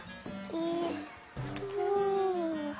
えっと。